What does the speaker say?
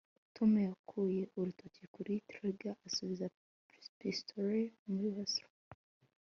tom yakuye urutoki kuri trigger asubiza pistolet muri holster